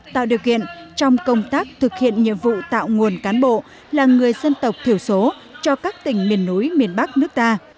tạo điều kiện trong công tác thực hiện nhiệm vụ tạo nguồn cán bộ là người dân tộc thiểu số cho các tỉnh miền núi miền bắc nước ta